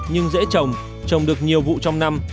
nhưng dễ trồng trồng được nhiều vụ trong năm